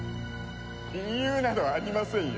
理由などありませんよ。